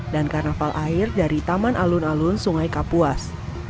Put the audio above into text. dan karnaval air dari taman alun alun sungai kapuas